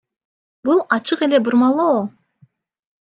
Бул ачык эле бурмалоо.